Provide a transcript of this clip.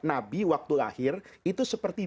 nabi waktu lahir itu seperti